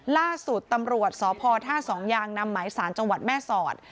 ล่าสุดตำรวจสพท่าสองยางนำหมายสารจังหวัดแม่สอด